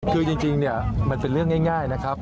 คือจริงเนี่ยมันเป็นเรื่องง่ายนะครับ